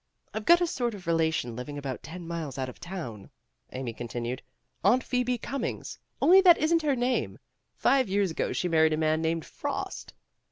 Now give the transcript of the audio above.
"I've got a sort of relation living about ten miles out of town," Amy continued. "Aunt Phoebe Cummings, only that isn't her name. Five years ago she married a man named Frost."